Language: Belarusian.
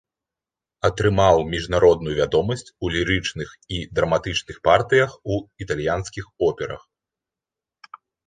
Атрымаў міжнародную вядомасць у лірычных і драматычных партыях у італьянскіх операх.